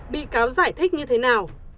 bị cáo giải thích như thế nào